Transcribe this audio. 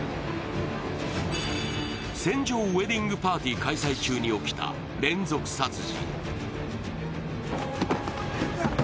船上ウエディングパーティー開催中に起きた連続殺人。